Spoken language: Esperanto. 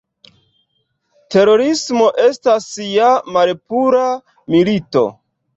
Terorismo estas ja malpura "milito".